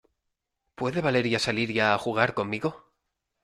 ¿ puede Valeria salir ya a jugar conmigo?